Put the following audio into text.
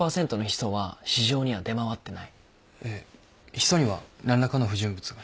ヒ素には何らかの不純物が。